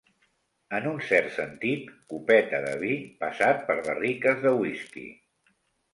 En un cert sentit, copeta de vi passat per barriques de whisky.